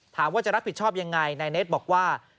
ถามว่าจะรับผิดชอบยังไงนายเน็ตบอกว่า